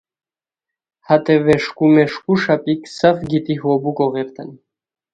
ہتے ویݰکو میݰکو ݰاپیک سف گیتی ہو بوکو غیریتانی